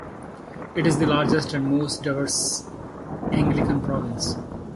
It is the largest and the most diverse Anglican province.